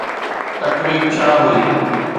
تقرير ڇا هئي؟